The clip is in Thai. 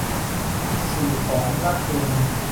สื่อของรัฐเอง